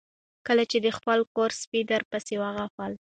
کله چې د خپل کور سپي درپسې وغپل